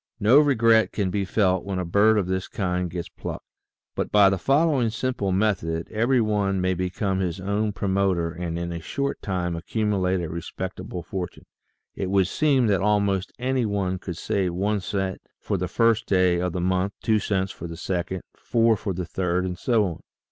No regret can be felt when a bird of this kind gets plucked. But by the following simple method every one may become his own promoter and in a short time accumulate a respectable fortune. It would seem that almost any one could save one cent for the first day of the month, two cents for the second, four for the third, and so on.